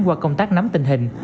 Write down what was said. qua công tác nắm tình hình